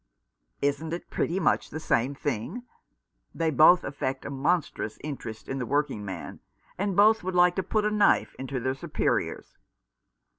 " Isn't it pretty much the same thing ? They both affect a monstrous interest in the working man, and both would like to put a knife into their superiors."